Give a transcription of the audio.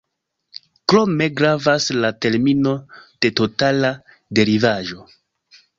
Krome gravas la termino de totala derivaĵo.